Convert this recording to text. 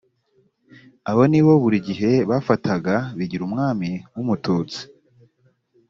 abo ni bo buri gihe bafataga bigirumwami nk umututsi